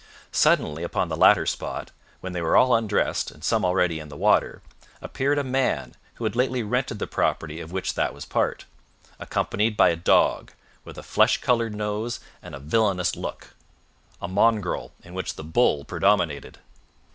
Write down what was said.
Suddenly upon the latter spot, when they were all undressed, and some already in the water, appeared a man who had lately rented the property of which that was part, accompanied by a dog, with a flesh coloured nose and a villainous look a mongrel in which the bull predominated.